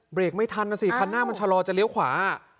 กไม่ทันนะสิคันหน้ามันชะลอจะเลี้ยวขวา